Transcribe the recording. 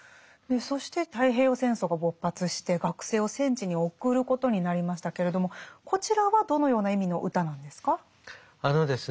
そして太平洋戦争が勃発して学生を戦地に送ることになりましたけれどもこちらはどのような意味の歌なんですか？